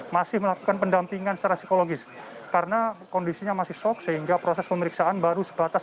masih melakukan pendampingan secara psikologis karena kondisinya masih shock sehingga proses pemeriksaan baru sebatas